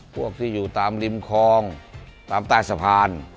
พวกที่อยู่ตามริมคลองตามใต้สะพาน